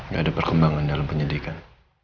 gak ada perkembangan dalam penyelidikan